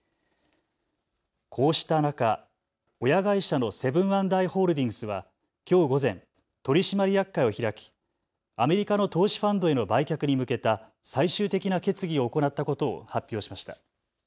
こうした中、親会社のセブン＆アイ・ホールディングスはきょう午前、取締役会を開きアメリカの投資ファンドへの売却に向けた最終的な決議を行ったことを発表しました。